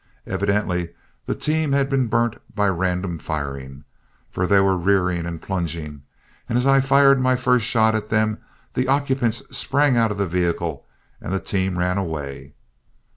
Evidently the team had been burnt by random firing, for they were rearing and plunging, and as I fired my first shot at them, the occupants sprang out of the vehicle and the team ran away.